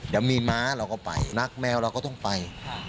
เดี๋ยวมีม้าเราก็ไปนักแมวเราก็ต้องไป